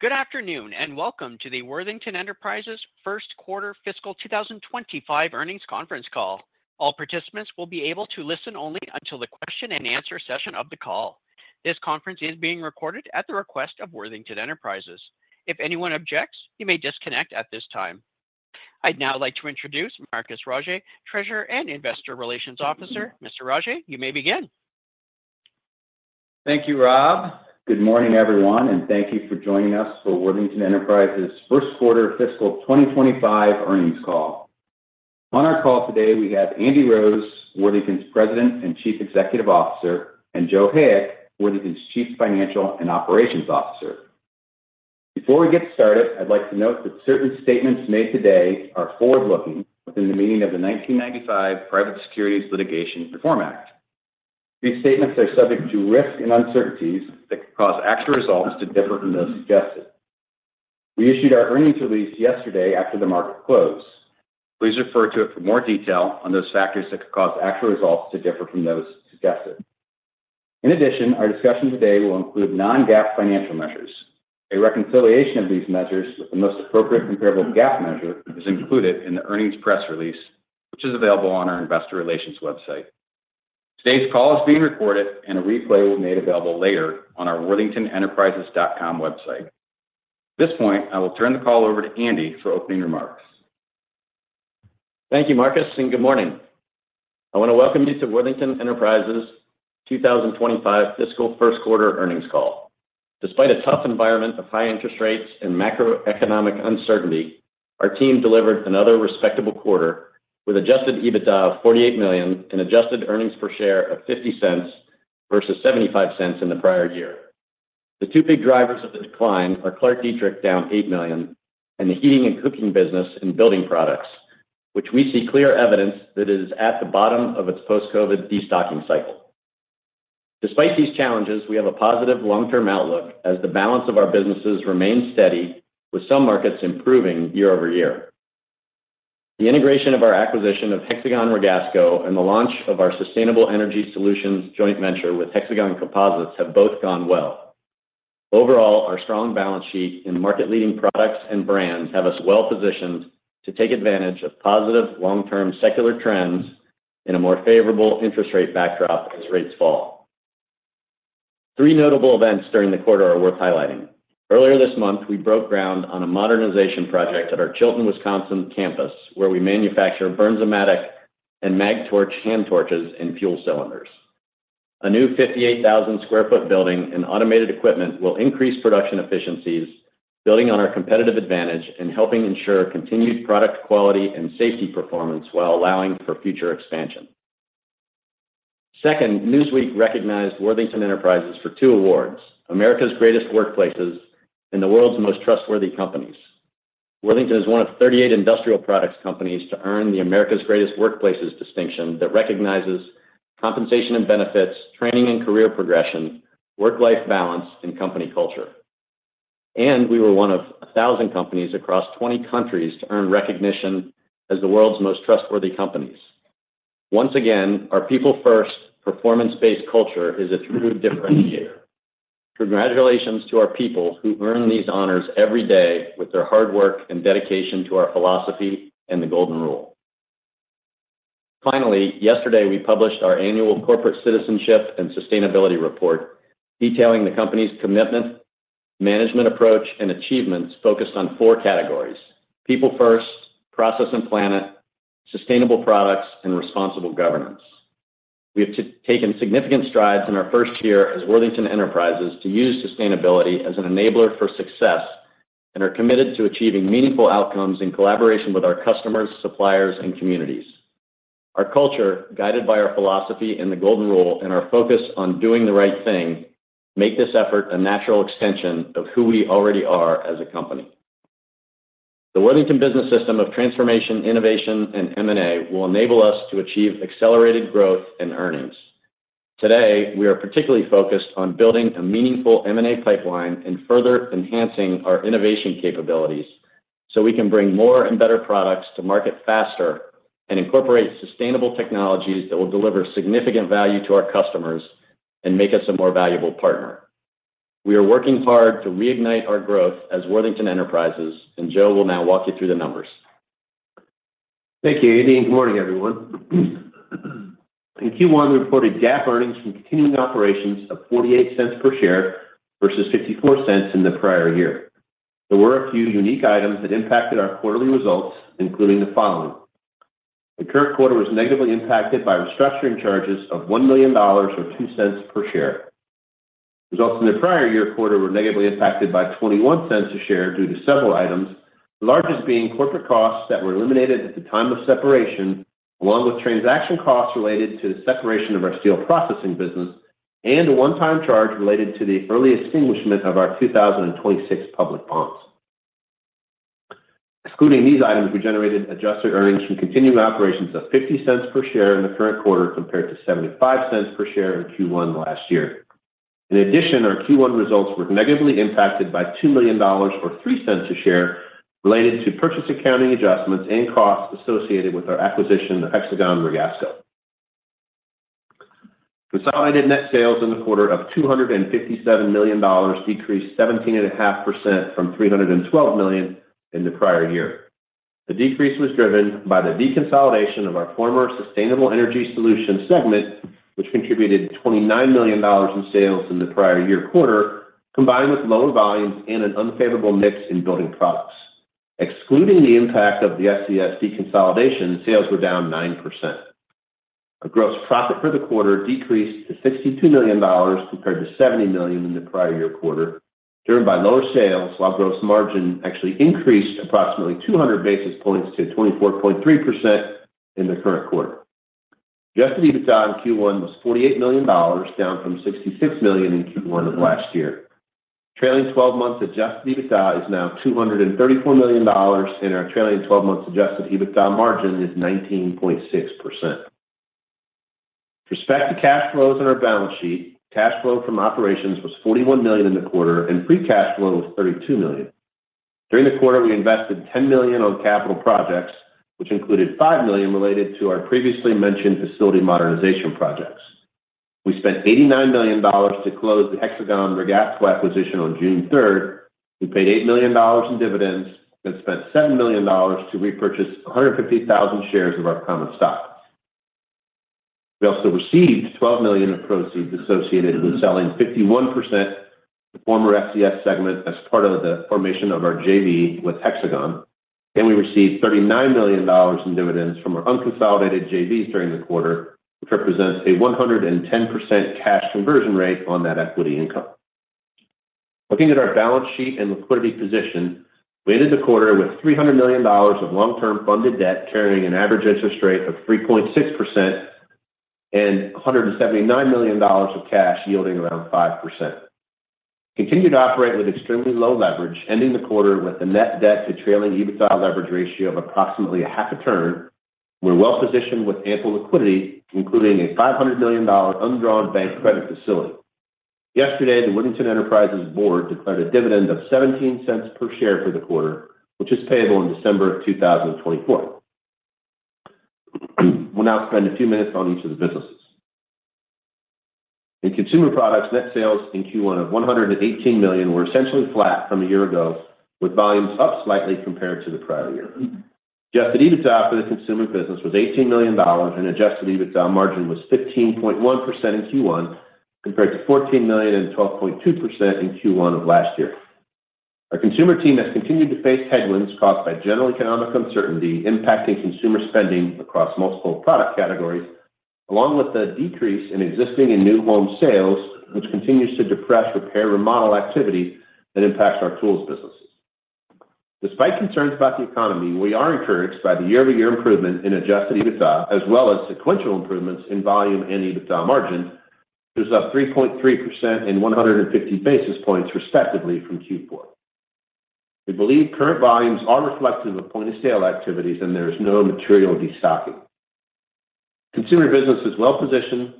Good afternoon, and welcome to the Worthington Enterprises first quarter fiscal 2025 earnings conference call. All participants will be able to listen only until the question and answer session of the call. This conference is being recorded at the request of Worthington Enterprises. If anyone objects, you may disconnect at this time. I'd now like to introduce Marcus Rogier, Treasurer and Investor Relations Officer. Mr. Rogier, you may begin. Thank you, Rob. Good morning, everyone, and thank you for joining us for Worthington Enterprises first quarter fiscal 2025 earnings call. On our call today, we have Andy Rose, Worthington's President and Chief Executive Officer, and Joe Hayek, Worthington's Chief Financial and Operations Officer. Before we get started, I'd like to note that certain statements made today are forward-looking within the meaning of the 1995 Private Securities Litigation Reform Act. These statements are subject to risks and uncertainties that could cause actual results to differ from those suggested. We issued our earnings release yesterday after the market closed. Please refer to it for more detail on those factors that could cause actual results to differ from those suggested. In addition, our discussion today will include non-GAAP financial measures. A reconciliation of these measures with the most appropriate comparable GAAP measure is included in the earnings press release, which is available on our investor relations website. Today's call is being recorded, and a replay will be made available later on our worthingtonenterprises.com website. At this point, I will turn the call over to Andy for opening remarks. Thank you, Marcus, and good morning. I want to welcome you to Worthington Enterprises' two thousand and twenty-five fiscal first quarter earnings call. Despite a tough environment of high interest rates and macroeconomic uncertainty, our team delivered another respectable quarter with Adjusted EBITDA of $48 million and adjusted earnings per share of $0.50 versus $0.75 in the prior year. The two big drivers of the decline are ClarkDietrich, down $8 million, and the heating and cooking business and building products, which we see clear evidence that it is at the bottom of its post-COVID destocking cycle. Despite these challenges, we have a positive long-term outlook as the balance of our businesses remains steady, with some markets improving year over year. The integration of our acquisition of Hexagon Ragasco and the launch of our Sustainable Energy Solutions joint venture with Hexagon Composites have both gone well. Overall, our strong balance sheet and market-leading products and brands have us well positioned to take advantage of positive long-term secular trends in a more favorable interest rate backdrop as rates fall. Three notable events during the quarter are worth highlighting. Earlier this month, we broke ground on a modernization project at our Chilton, Wisconsin campus, where we manufacture Bernzomatic and Mag-Torch hand torches and fuel cylinders. A new 58,000 sq ft building and automated equipment will increase production efficiencies, building on our competitive advantage and helping ensure continued product quality and safety performance while allowing for future expansion. Second, Newsweek recognized Worthington Enterprises for two awards: America's Greatest Workplaces and the World's Most Trustworthy Companies. Worthington is one of 38 industrial products companies to earn the America's Greatest Workplaces distinction that recognizes compensation and benefits, training and career progression, work-life balance, and company culture. We were one of a thousand companies across twenty countries to earn recognition as the world's most trustworthy companies. Once again, our people-first, performance-based culture is a true differentiator. Congratulations to our people who earn these honors every day with their hard work and dedication to our philosophy and the Golden Rule. Finally, yesterday, we published our annual Corporate Citizenship and Sustainability Report, detailing the company's commitment, management approach, and achievements focused on four categories: people first, process and planet, sustainable products, and responsible governance. We have taken significant strides in our first year as Worthington Enterprises to use sustainability as an enabler for success and are committed to achieving meaningful outcomes in collaboration with our customers, suppliers, and communities. Our culture, guided by our philosophy and the Golden Rule and our focus on doing the right thing, make this effort a natural extension of who we already are as a company. The Worthington Business System of transformation, innovation, and M&A will enable us to achieve accelerated growth and earnings. Today, we are particularly focused on building a meaningful M&A pipeline and further enhancing our innovation capabilities so we can bring more and better products to market faster and incorporate sustainable technologies that will deliver significant value to our customers and make us a more valuable partner. We are working hard to reignite our growth as Worthington Enterprises, and Joe will now walk you through the numbers. Thank you, Andy, and good morning, everyone. In Q1, we reported GAAP earnings from continuing operations of $0.48 per share versus $0.54 in the prior year. There were a few unique items that impacted our quarterly results, including the following: The current quarter was negatively impacted by restructuring charges of $1 million or $0.02 per share. Results in the prior year quarter were negatively impacted by $0.21 a share due to several items, the largest being corporate costs that were eliminated at the time of separation, along with transaction costs related to the separation of our steel processing business and a one-time charge related to the early extinguishment of our 2026 public bonds. Excluding these items, we generated adjusted earnings from continuing operations of $0.50 per share in the current quarter, compared to $0.75 per share in Q1 last year. In addition, our Q1 results were negatively impacted by $2 million or three cents a share, related to purchase accounting adjustments and costs associated with our acquisition of Hexagon Ragasco. Consolidated net sales in the quarter of $257 million decreased 17.5% from $312 million in the prior year. The decrease was driven by the deconsolidation of our former Sustainable Energy Solutions segment, which contributed $29 million in sales in the prior year quarter, combined with lower volumes and an unfavorable mix in building products. Excluding the impact of the SES deconsolidation, sales were down 9%. Our gross profit for the quarter decreased to $62 million, compared to $70 million in the prior year quarter, driven by lower sales, while gross margin actually increased approximately 200 basis points to 24.3% in the current quarter. Adjusted EBITDA in Q1 was $48 million, down from $66 million in Q1 of last year. Trailing twelve months Adjusted EBITDA is now $234 million, and our trailing twelve months Adjusted EBITDA margin is 19.6%. With respect to cash flows on our balance sheet, cash flow from operations was $41 million in the quarter, and free cash flow was $32 million. During the quarter, we invested $10 million on capital projects, which included $5 million related to our previously mentioned facility modernization projects. We spent $89 million to close the Hexagon Ragasco acquisition on June third. We paid $8 million in dividends and spent $7 million to repurchase 150,000 shares of our common stock. We also received $12 million of proceeds associated with selling 51%, the former SES segment, as part of the formation of our JV with Hexagon, and we received $39 million in dividends from our unconsolidated JVs during the quarter, which represents a 110% cash conversion rate on that equity income. Looking at our balance sheet and liquidity position, we ended the quarter with $300 million of long-term funded debt, carrying an average interest rate of 3.6% and $179 million of cash, yielding around 5%. We continue to operate with extremely low leverage, ending the quarter with a net debt to trailing EBITDA leverage ratio of approximately 0.5 turns. We're well-positioned with ample liquidity, including a $500 million undrawn bank credit facility. Yesterday, the Worthington Enterprises board declared a dividend of $0.17 per share for the quarter, which is payable in December of 2024. We'll now spend a few minutes on each of the businesses. In consumer products, net sales in Q1 of $118 million were essentially flat from a year ago, with volumes up slightly compared to the prior year. Adjusted EBITDA for the consumer business was $18 million, and adjusted EBITDA margin was 15.1% in Q1, compared to $14 million and 12.2% in Q1 of last year. Our consumer team has continued to face headwinds caused by general economic uncertainty, impacting consumer spending across multiple product categories, along with the decrease in existing and new home sales, which continues to depress repair, remodel activity that impacts our tools businesses. Despite concerns about the economy, we are encouraged by the year-over-year improvement in Adjusted EBITDA, as well as sequential improvements in volume and EBITDA margin. It was up 3.3% and 150 basis points, respectively, from Q4. We believe current volumes are reflective of point-of-sale activities, and there is no material destocking. Consumer business is well positioned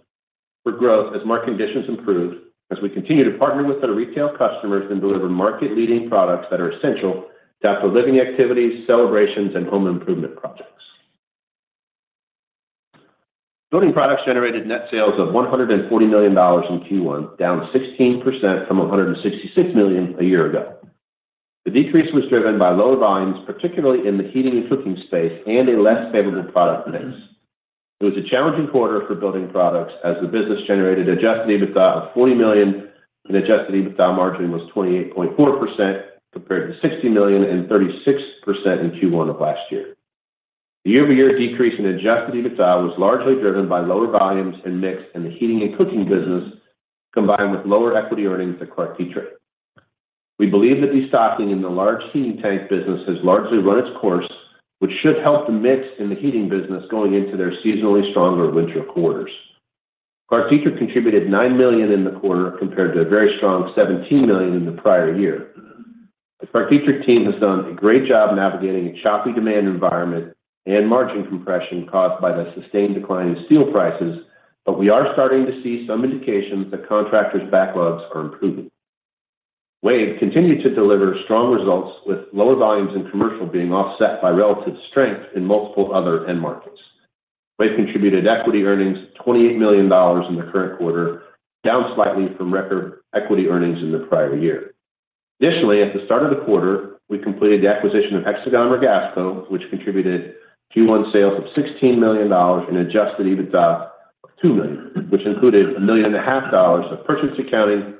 for growth as market conditions improve, as we continue to partner with our retail customers and deliver market-leading products that are essential to outdoor living activities, celebrations, and home improvement projects. Building products generated net sales of $140 million in Q1, down 16% from $166 million a year ago. The decrease was driven by lower volumes, particularly in the heating and cooking space, and a less favorable product mix. It was a challenging quarter for building products as the business generated Adjusted EBITDA of $40 million, and Adjusted EBITDA margin was 28.4%, compared to $60 million and 36% in Q1 of last year. The year-over-year decrease in Adjusted EBITDA was largely driven by lower volumes and mix in the heating and cooking business, combined with lower equity earnings at ClarkDietrich. We believe that destocking in the large heating tank business has largely run its course, which should help the mix in the heating business going into their seasonally stronger winter quarters. ClarkDietrich contributed $9 million in the quarter, compared to a very strong $17 million in the prior year. The ClarkDietrich team has done a great job navigating a choppy demand environment and margin compression caused by the sustained decline in steel prices, but we are starting to see some indications that contractors' backlogs are improving. WAVE continued to deliver strong results, with lower volumes in commercial being offset by relative strength in multiple other end markets. WAVE contributed equity earnings of $28 million in the current quarter, down slightly from record equity earnings in the prior year. Additionally, at the start of the quarter, we completed the acquisition of Hexagon Ragasco, which contributed Q1 sales of $16 million and Adjusted EBITDA of $2 million, which included $1.5 million of purchase accounting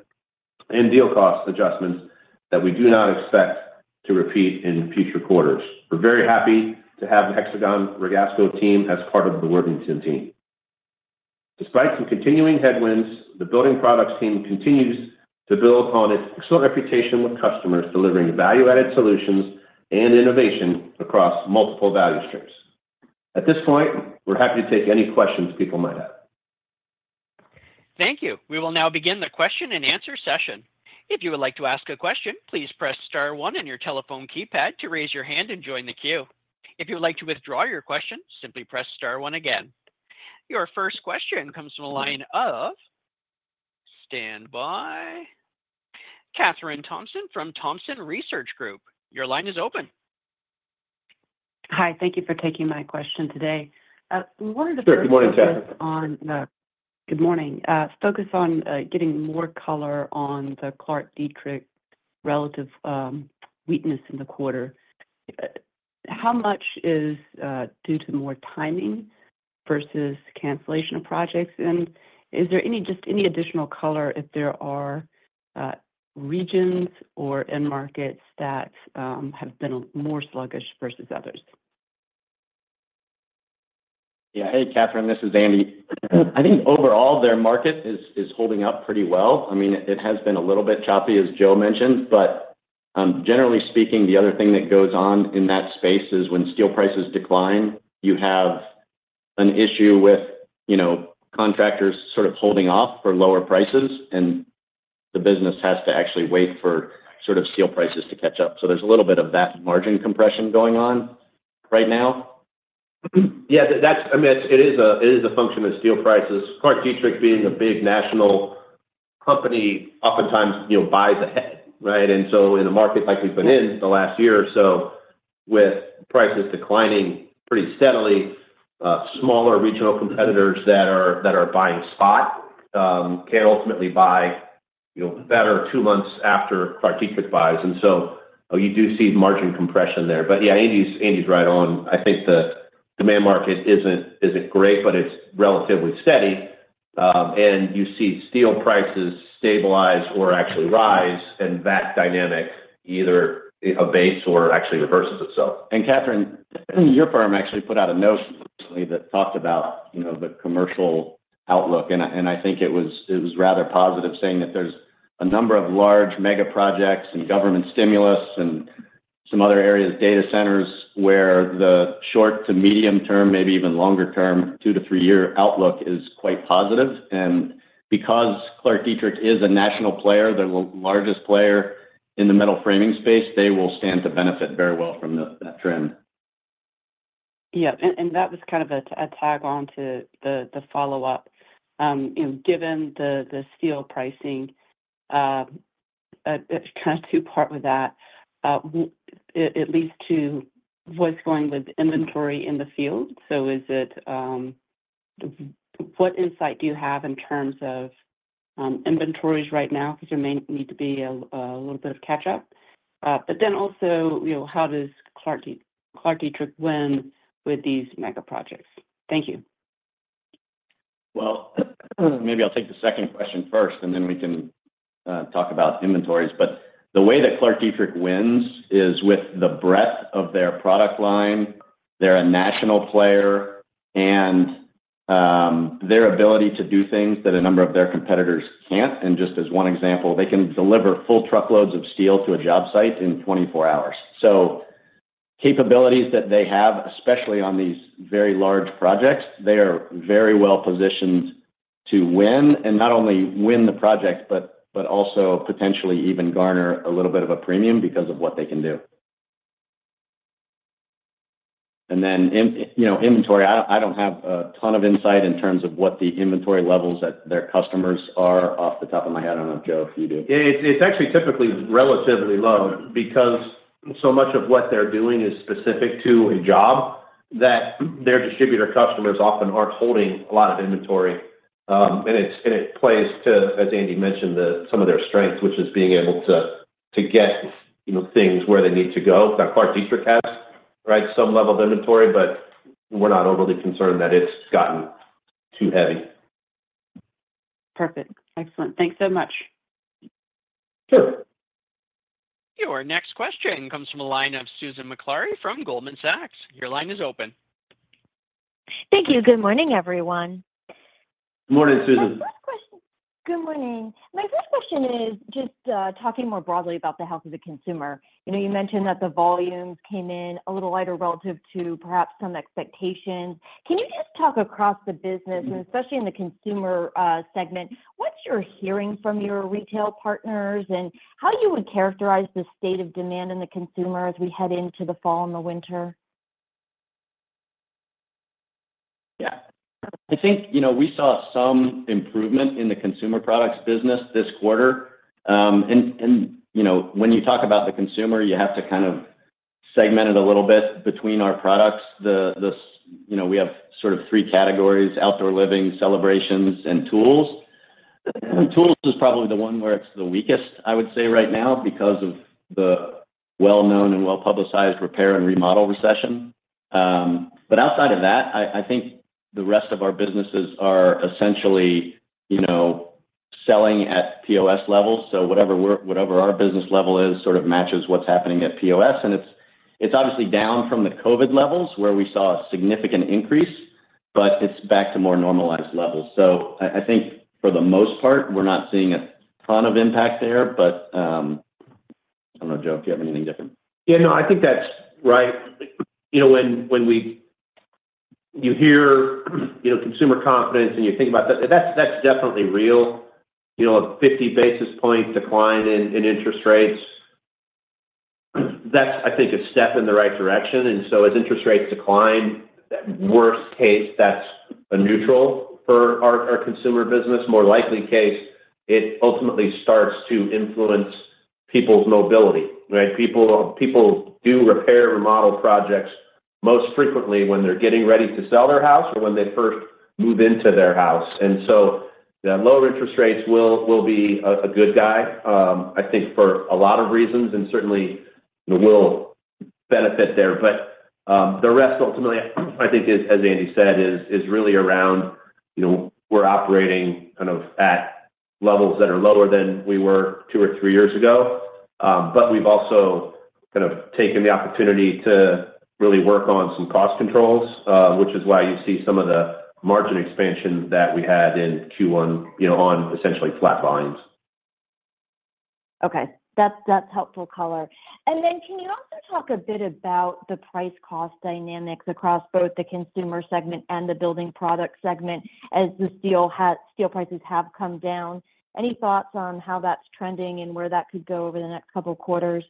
and deal cost adjustments that we do not expect to repeat in future quarters. We're very happy to have the Hexagon Ragasco team as part of the Worthington team. Despite some continuing headwinds, the building products team continues to build upon its excellent reputation with customers, delivering value-added solutions and innovation across multiple value streams. At this point, we're happy to take any questions people might have. Thank you. We will now begin the question and answer session. If you would like to ask a question, please press star one on your telephone keypad to raise your hand and join the queue. If you would like to withdraw your question, simply press star one again. Your first question comes from the line of, stand by, Catherine Thompson from Thompson Research Group. Your line is open. Hi, thank you for taking my question today. One of the first- Sure, good morning, Catherine. Good morning. Focus on getting more color on the ClarkDietrich relative weakness in the quarter. How much is due to more timing versus cancellation of projects? And is there any, just any additional color if there are regions or end markets that have been more sluggish versus others? Yeah. Hey, Catherine, this is Andy. I think overall, their market is holding up pretty well. I mean, it has been a little bit choppy, as Joe mentioned, but, generally speaking, the other thing that goes on in that space is when steel prices decline, you have an issue with, you know, contractors sort of holding off for lower prices, and the business has to actually wait for sort of steel prices to catch up. So there's a little bit of that margin compression going on right now. Yeah, that's. I mean, it is a function of steel prices. ClarkDietrich, being a big national company, oftentimes, you know, buys ahead, right? And so in a market like we've been in the last year or so, with prices declining pretty steadily, smaller regional competitors that are buying spot can ultimately buy, you know, better two months after ClarkDietrich buys. And so you do see margin compression there. But yeah, Andy's right on. I think the demand market isn't great, but it's relatively steady. And you see steel prices stabilize or actually rise, and that dynamic either abates or actually reverses itself. And Catherine, your firm actually put out a note recently that talked about, you know, the commercial outlook, and I, and I think it was, it was rather positive, saying that there's a number of large mega projects and government stimulus and some other areas, data centers, where the short to medium term, maybe even longer term, two to three-year outlook is quite positive. And because ClarkDietrich is a national player, the largest player in the metal framing space, they will stand to benefit very well from that trend. Yeah, and that was kind of a tag on to the follow-up. You know, given the steel pricing, kind of two-part with that, it leads to what's going with inventory in the field. So what insight do you have in terms of inventories right now? Because there may need to be a little bit of catch-up. But then also, you know, how does ClarkDietrich win with these mega projects? Thank you. Maybe I'll take the second question first, and then we can talk about inventories. But the way that ClarkDietrich wins is with the breadth of their product line. They're a national player, and their ability to do things that a number of their competitors can't, and just as one example, they can deliver full truckloads of steel to a job site in 24 hours. So capabilities that they have, especially on these very large projects, they are very well positioned to win, and not only win the project, but also potentially even garner a little bit of a premium because of what they can do. And then in, you know, inventory, I don't have a ton of insight in terms of what the inventory levels that their customers are off the top of my head. I don't know, Joe, if you do. It's actually typically relatively low because so much of what they're doing is specific to a job that their distributor customers often aren't holding a lot of inventory. And it plays to, as Andy mentioned, the some of their strengths, which is being able to get, you know, things where they need to go. Now, ClarkDietrich has, right, some level of inventory, but we're not overly concerned that it's gotten too heavy. Perfect. Excellent. Thanks so much. Sure. Your next question comes from a line of Susan Maklari from Goldman Sachs. Your line is open. Thank you. Good morning, everyone. Good morning, Susan. My first question. Good morning. My first question is just, talking more broadly about the health of the consumer. You know, you mentioned that the volumes came in a little lighter relative to perhaps some expectations. Can you just talk across the business, and especially in the consumer, segment, what you're hearing from your retail partners and how you would characterize the state of demand in the consumer as we head into the fall and the winter? Yeah. I think, you know, we saw some improvement in the consumer products business this quarter. And, you know, when you talk about the consumer, you have to kind of segment it a little bit between our products. You know, we have sort of three categories: outdoor living, celebrations, and tools. Tools is probably the one where it's the weakest, I would say right now, because of the well-known and well-publicized repair and remodel recession. But outside of that, I think the rest of our businesses are essentially, you know, selling at POS levels. So whatever our business level is, sort of matches what's happening at POS, and it's obviously down from the COVID levels, where we saw a significant increase, but it's back to more normalized levels. So I think for the most part, we're not seeing a ton of impact there. But, I don't know, Joe, if you have anything different. Yeah, no, I think that's right. You know, when we-- you hear, you know, consumer confidence and you think about that, that's definitely real. You know, a 50 basis point decline in interest rates, that's, I think, a step in the right direction. And so as interest rates decline, worst case, that's a neutral for our consumer business. More likely case, it ultimately starts to influence people's mobility, right? People, people do repair, remodel projects most frequently when they're getting ready to sell their house or when they first move into their house. And so the lower interest rates will be a good guy, I think for a lot of reasons, and certainly, you know, we'll benefit there. But the rest, ultimately, I think is, as Andy said, really around, you know, we're operating kind of at levels that are lower than we were two or three years ago. But we've also kind of taken the opportunity to really work on some cost controls, which is why you see some of the margin expansion that we had in Q1, you know, on essentially flat volumes. Okay. That's, that's helpful color. And then can you also talk a bit about the price cost dynamics across both the consumer segment and the building product segment as the steel prices have come down? Any thoughts on how that's trending and where that could go over the next couple quarters?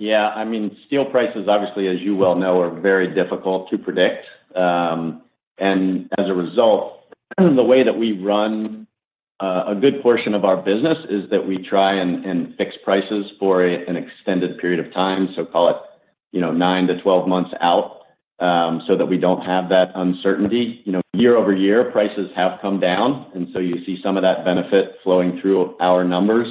Yeah. I mean, steel prices, obviously, as you well know, are very difficult to predict. And as a result, the way that we run a good portion of our business is that we try and fix prices for an extended period of time, so call it, you know, nine to 12 months out, so that we don't have that uncertainty. You know, year over year, prices have come down, and so you see some of that benefit flowing through our numbers.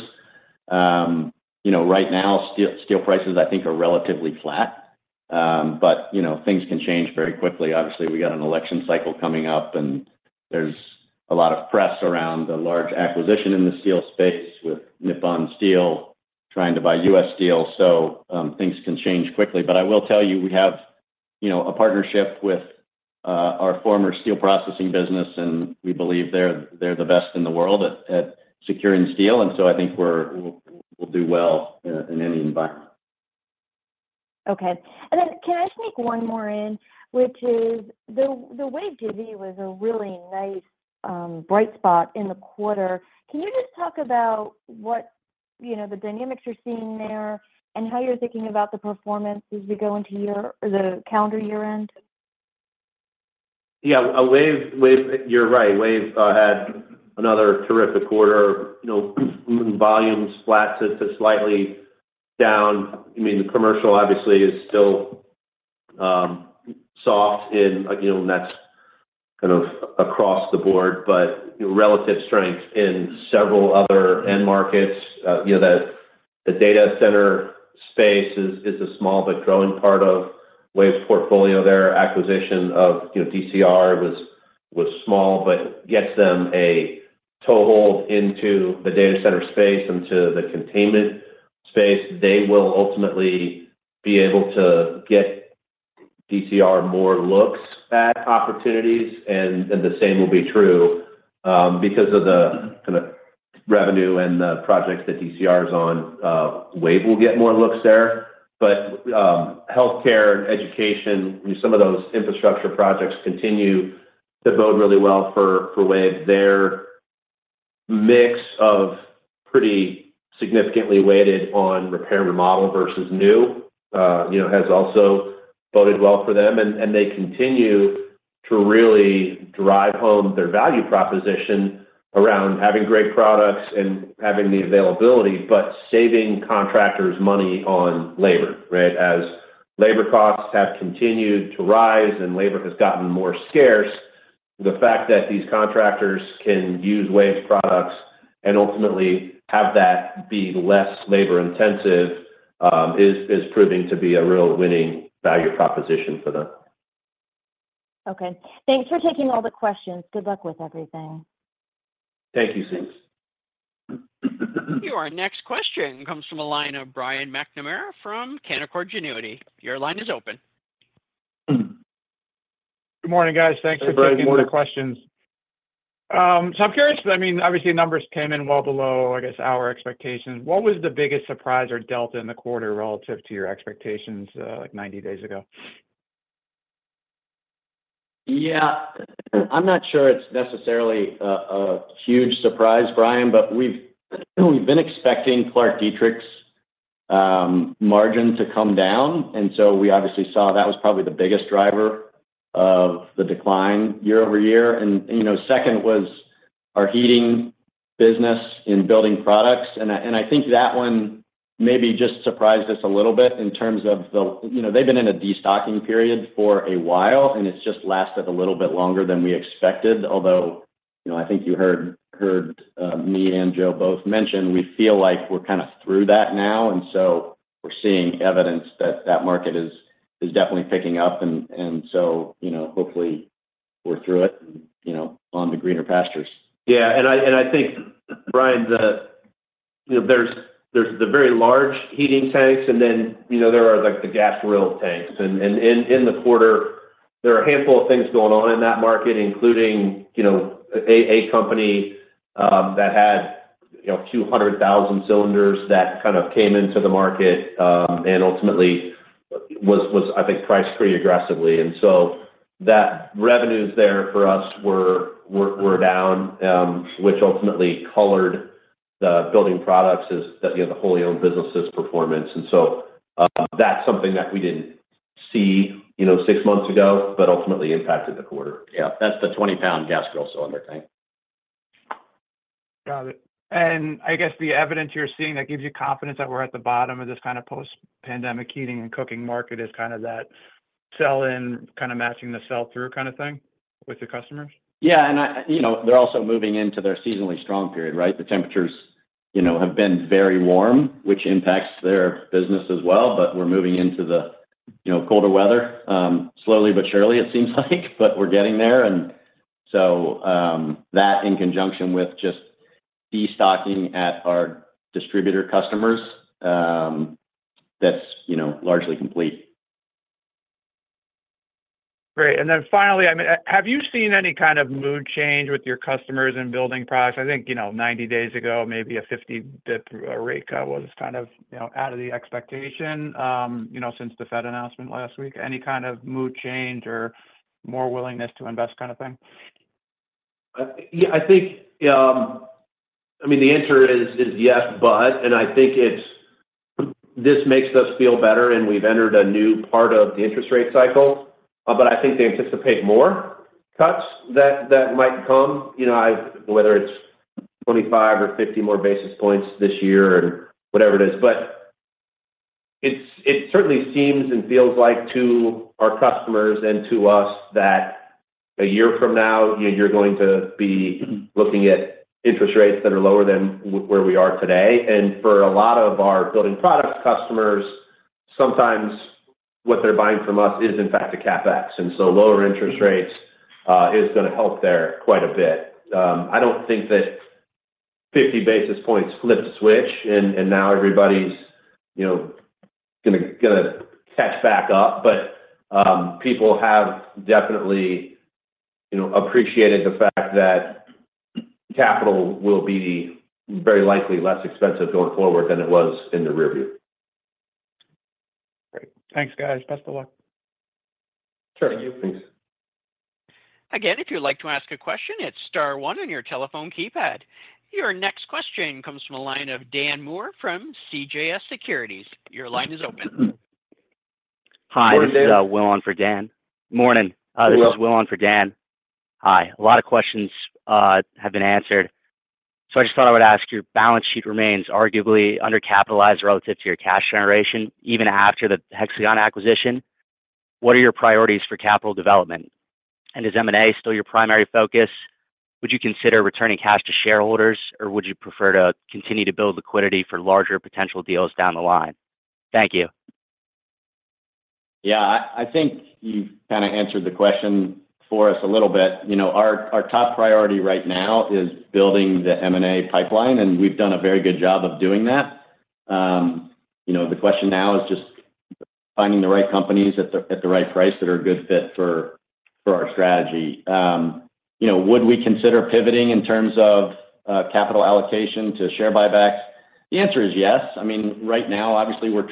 You know, right now, steel prices, I think, are relatively flat. But, you know, things can change very quickly. Obviously, we got an election cycle coming up, and there's a lot of press around the large acquisition in the steel space with Nippon Steel trying to buy U.S. Steel, so, things can change quickly. But I will tell you, we have, you know, a partnership with our former steel processing business, and we believe they're the best in the world at securing steel, and so I think we'll do well in any environment. Okay. And then can I sneak one more in, which is the WAVE JV was a really nice bright spot in the quarter. Can you just talk about what, you know, the dynamics you're seeing there and how you're thinking about the performance as we go into your the calendar year end? Yeah. WAVE, you're right. WAVE had another terrific quarter. You know, volumes flat to slightly down. I mean, the commercial obviously is still soft in, you know, and that's kind of across the board, but relative strength in several other end markets. You know, the data center space is a small but growing part of WAVE's portfolio. Their acquisition of, you know, DCR was small, but gets them a toehold into the data center space and to the containment space. They will ultimately be able to get DCR more looks at opportunities, and the same will be true, because of the kind of revenue and the projects that DCR is on, WAVE will get more looks there. But, healthcare and education, some of those infrastructure projects continue to bode really well for WAVE. Their mix of pretty significantly weighted on repair, remodel versus new, you know, has also boded well for them, and they continue to really drive home their value proposition around having great products and having the availability, but saving contractors money on labor, right? As labor costs have continued to rise and labor has gotten more scarce, the fact that these contractors can use WAVE's products and ultimately have that be less labor-intensive, is proving to be a real winning value proposition for them. Okay. Thanks for taking all the questions. Good luck with everything. Thank you, Cindy. Your next question comes from a line of Brian McNamara from Canaccord Genuity. Your line is open. Good morning, guys. Hey, Brian. Good morning. Thanks for taking the questions. So I'm curious, I mean, obviously, numbers came in well below, I guess, our expectations. What was the biggest surprise or delta in the quarter relative to your expectations, like, ninety days ago? Yeah. I'm not sure it's necessarily a huge surprise, Brian, but we've been expecting ClarkDietrich's margin to come down, and so we obviously saw that was probably the biggest driver of the decline year over year. And, you know, second was our heating business in building products, and I think that one maybe just surprised us a little bit in terms of the... You know, they've been in a destocking period for a while, and it's just lasted a little bit longer than we expected. Although, you know, I think you heard me and Joe both mention, we feel like we're kind of through that now, and so we're seeing evidence that that market is definitely picking up, and so, you know, hopefully we're through it and, you know, on to greener pastures. Yeah, and I think, Brian, the You know, there's the very large heating tanks, and then, you know, there are, like, the gas grill tanks. And in the quarter, there are a handful of things going on in that market, including, you know, a company that had 200,000 cylinders that kind of came into the market, and ultimately was priced pretty aggressively. And so that revenues there for us were down, which ultimately colored the building products as the wholly owned businesses' performance. And so that's something that we didn't see, you know, six months ago, but ultimately impacted the quarter. Yeah, that's the 20-pound gas grill cylinder thing. Got it, and I guess the evidence you're seeing that gives you confidence that we're at the bottom of this kind of post-pandemic heating and cooking market is kind of that sell-in, kind of matching the sell-through kind of thing with your customers? Yeah, and you know, they're also moving into their seasonally strong period, right? The temperatures, you know, have been very warm, which impacts their business as well, but we're moving into the, you know, colder weather, slowly but surely, it seems like, but we're getting there. And so, that in conjunction with just destocking at our distributor customers, that's, you know, largely complete. Great. And then finally, I mean, have you seen any kind of mood change with your customers in building products? I think, you know, 90 days ago, maybe a 50 basis points recession was kind of, you know, out of the expectation, you know, since the Fed announcement last week. Any kind of mood change or more willingness to invest kind of thing? Yeah, I think, I mean, the answer is yes, but and I think it's this makes us feel better, and we've entered a new part of the interest rate cycle, but I think they anticipate more cuts that might come. You know, whether it's twenty-five or fifty more basis points this year and whatever it is. But it certainly seems and feels like to our customers and to us that a year from now, you know, you're going to be looking at interest rates that are lower than where we are today. And for a lot of our building products customers, sometimes what they're buying from us is, in fact, a CapEx, and so lower interest rates is gonna help there quite a bit. I don't think that fifty basis points flip a switch, and now everybody's, you know, gonna catch back up, but people have definitely, you know, appreciated the fact that capital will be very likely less expensive going forward than it was in the rearview. Great. Thanks, guys. Best of luck. Sure. Thank you. Again, if you'd like to ask a question, it's star one on your telephone keypad. Your next question comes from the line of Dan Moore from CJS Securities. Your line is open. Hi- Morning, Dan. This is Will on for Dan. Morning. Will. This is Will on for Dan. Hi. A lot of questions have been answered. So I just thought I would ask, your balance sheet remains arguably undercapitalized relative to your cash generation, even after the Hexagon acquisition. What are your priorities for capital development, and is M&A still your primary focus? Would you consider returning cash to shareholders, or would you prefer to continue to build liquidity for larger potential deals down the line? Thank you. Yeah, I think you've kinda answered the question for us a little bit. You know, our top priority right now is building the M&A pipeline, and we've done a very good job of doing that. You know, the question now is just finding the right companies at the right price that are a good fit for our strategy. You know, would we consider pivoting in terms of capital allocation to share buybacks? The answer is yes. I mean, right now, obviously, we've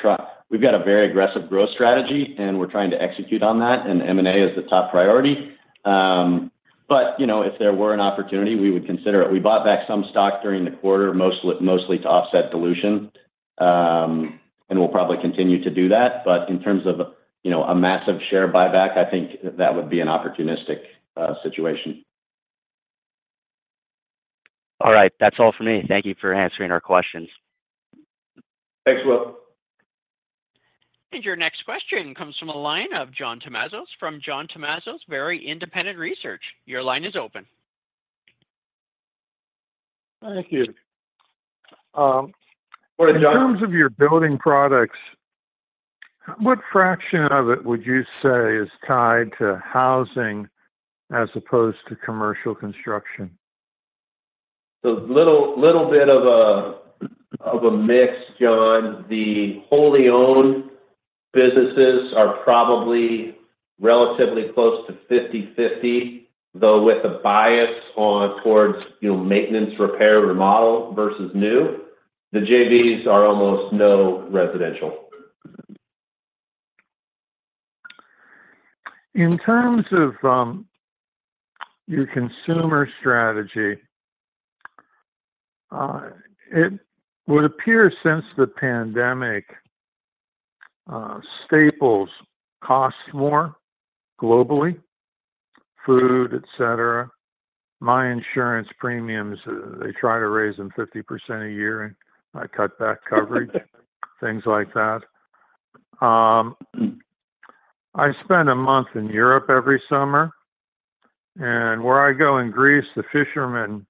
got a very aggressive growth strategy, and we're trying to execute on that, and M&A is the top priority. But, you know, if there were an opportunity, we would consider it. We bought back some stock during the quarter, mostly to offset dilution, and we'll probably continue to do that, but in terms of, you know, a massive share buyback, I think that would be an opportunistic situation. All right. That's all for me. Thank you for answering our questions. Thanks, Will. Your next question comes from the line of John Tumazos from John Tumazos Very Independent Research. Your line is open. Thank you. Morning, John. In terms of your building products, what fraction of it would you say is tied to housing as opposed to commercial construction? A little bit of a mix, John. The wholly owned businesses are probably relatively close to fifty-fifty, though, with a bias towards, you know, maintenance, repair, remodel versus new. The JVs are almost no residential. In terms of, your consumer strategy, it would appear since the pandemic, staples cost more globally, food, et cetera. My insurance premiums, they try to raise them 50% a year, and I cut back coverage... things like that. I spend a month in Europe every summer, and where I go in Greece, the fishermen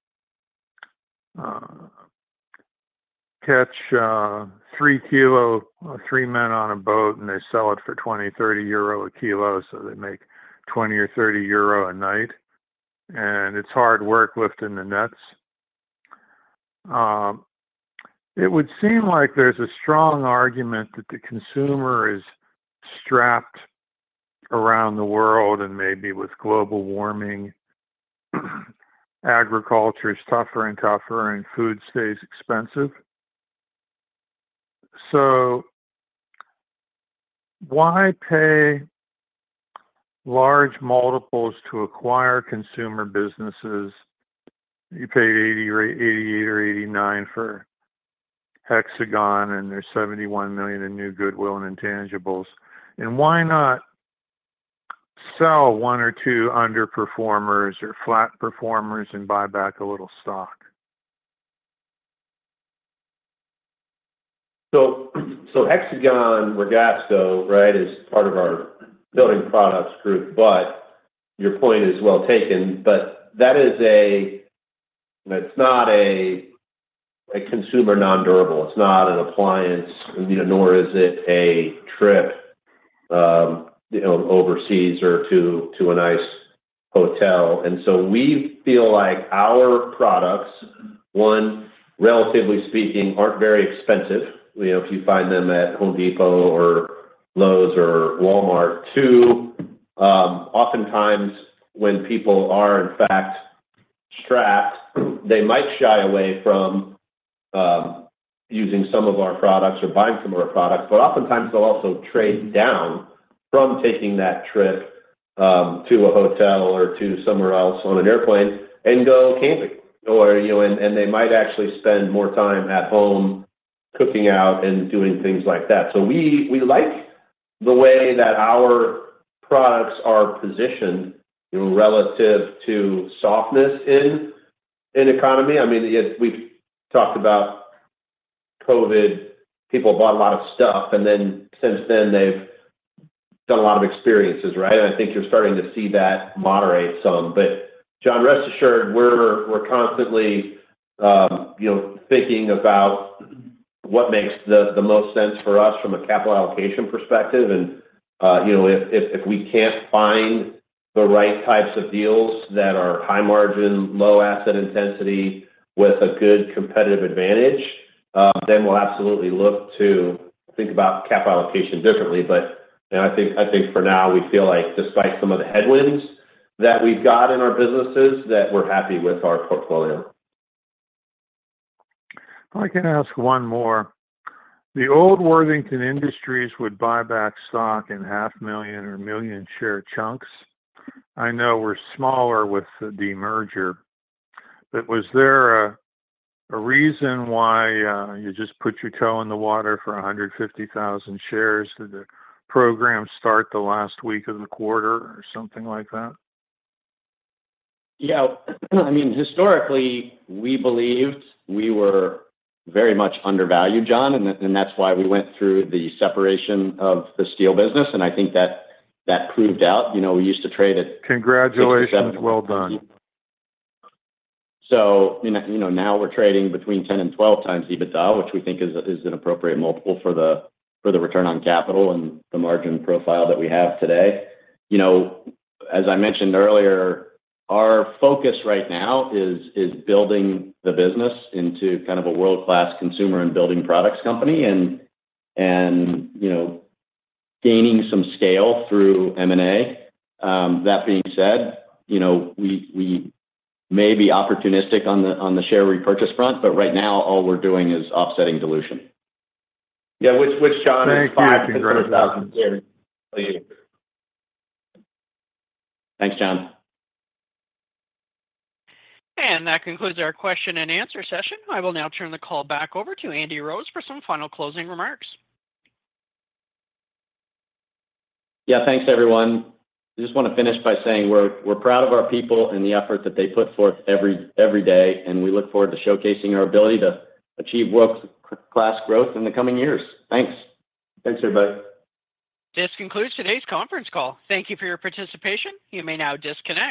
catch three kilo, three men on a boat, and they sell it for 20-30 euro a kilo, so they make 20 or 30 euro a night, and it is hard work lifting the nets. It would seem like there is a strong argument that the consumer is strapped around the world, and maybe with global warming, agriculture is tougher and tougher, and food stays expensive. So why pay... large multiples to acquire consumer businesses. You paid $88 or $89 for Hexagon, and there's $71 million in new goodwill and intangibles. And why not sell one or two underperformers or flat performers and buy back a little stock? So Hexagon Ragasco, right, is part of our building products group, but your point is well taken. But that is—it's not a consumer non-durable, it's not an appliance, you know, nor is it a trip, you know, overseas or to a nice hotel. And so we feel like our products, one, relatively speaking, aren't very expensive, you know, if you find them at Home Depot or Lowe's or Walmart. Two, oftentimes, when people are in fact strapped, they might shy away from using some of our products or buying some of our products. But oftentimes they'll also trade down from taking that trip to a hotel or to somewhere else on an airplane and go camping, or, you know, and they might actually spend more time at home cooking out and doing things like that. So we like the way that our products are positioned, you know, relative to softness in the economy. I mean, yet we've talked about COVID, people bought a lot of stuff, and then since then, they've done a lot of experiences, right? And I think you're starting to see that moderate some. But John, rest assured, we're constantly, you know, thinking about what makes the most sense for us from a capital allocation perspective. And you know, if we can't find the right types of deals that are high margin, low asset intensity with a good competitive advantage, then we'll absolutely look to think about capital allocation differently. But you know, I think for now, we feel like despite some of the headwinds that we've got in our businesses, that we're happy with our portfolio. I can ask one more. The old Worthington Industries would buy back stock in 500,000 or 1 million-share chunks. I know we're smaller with the merger, but was there a reason why you just put your toe in the water for 150,000 shares? Did the program start the last week of the quarter or something like that? Yeah. I mean, historically, we believed we were very much undervalued, John, and that, and that's why we went through the separation of the steel business, and I think that, that proved out. You know, we used to trade at- Congratulations. Well done. So, you know, now we're trading between 10x and 12x EBITDA, which we think is an appropriate multiple for the return on capital and the margin profile that we have today. You know, as I mentioned earlier, our focus right now is building the business into kind of a world-class consumer and building products company and you know, gaining some scale through M&A. That being said, you know, we may be opportunistic on the share repurchase front, but right now, all we're doing is offsetting dilution. Yeah, which John is five hundred thousand shares. Thank you. Thanks, John. That concludes our question and answer session. I will now turn the call back over to Andy Rose for some final closing remarks. Yeah, thanks, everyone. I just want to finish by saying we're proud of our people and the effort that they put forth every day, and we look forward to showcasing our ability to achieve world-class growth in the coming years. Thanks. Thanks, everybody. This concludes today's conference call. Thank you for your participation. You may now disconnect.